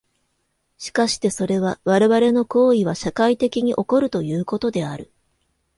しかしてそれは我々の行為は社会的に起こるということである。